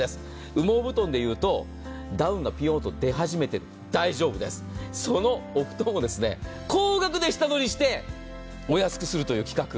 羽毛布団でいうと、ダウンがピヨンと出始めている、大丈夫です、そのお布団を高額で下取りしてお安くするという企画。